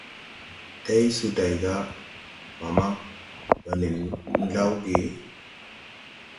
Tɛɛsu day ga: Mama, ndo nen lawge ?